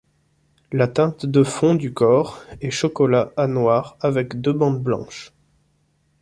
La teinte de fond du corps est chocolat à noir avec deux bandes blanches.